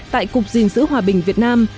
tại cục diền giữ hòa bình việt nam